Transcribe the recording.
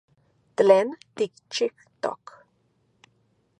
¿Tlen tikchijtok?